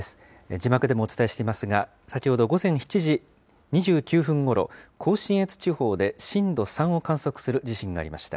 字幕でもお伝えしていますが、先ほど午前７時２９分ごろ、甲信越地方で震度３を観測する地震がありました。